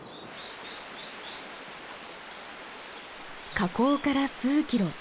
河口から数キロ。